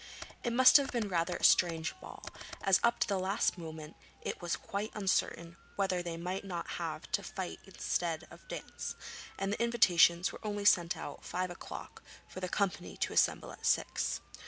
It must have been rather a strange ball, as up to the last moment it was quite uncertain whether they might not have to fight instead of dance, and the invitations were only sent out at five o'clock for the company to assemble at six.